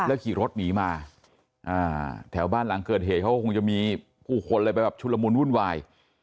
ขี่รถหนีมาแถวบ้านหลังเกิดเหตุเขาก็คงจะมีผู้คนอะไรไปแบบชุลมุนวุ่นวาย